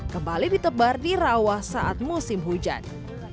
kembali ditebar di rawa saat musim hujan